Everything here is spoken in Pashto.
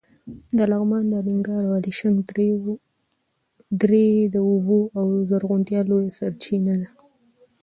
د لغمان د الینګار او الیشنګ درې د اوبو او زرغونتیا لویه سرچینه ده.